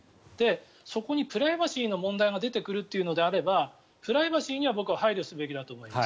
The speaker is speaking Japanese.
そこにプライバシーの問題が出てくるというのであればプライバシーには僕は配慮すべきだと思います。